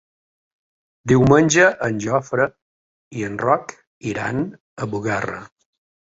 Diumenge en Jofre i en Roc iran a Bugarra.